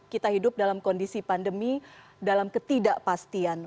kita hidup dalam kondisi pandemi dalam ketidakpastian